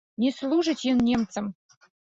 Не служыць ён немцам!